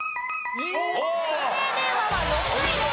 固定電話は６位です。